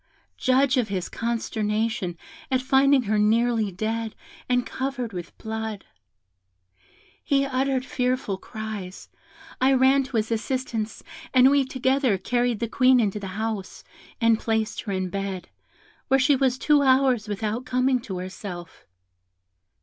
Judge of his consternation at finding her nearly dead, and covered with blood! He uttered fearful cries. I ran to his assistance, and we together carried the Queen into the house, and placed her in bed, where she was two hours without coming to herself.